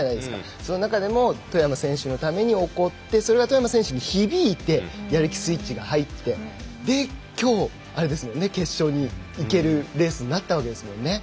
その中でも外山選手のために怒ってそれが外山選手に響いてやる気スイッチが入ってそれできょう決勝に行けるレースになったわけですもんね。